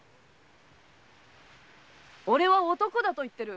俺は男だと言っている。